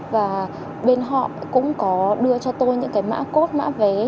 và bên họ cũng có đưa cho tôi những cái mã cốt mã vé